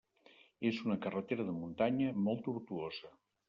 És una carretera de muntanya, molt tortuosa.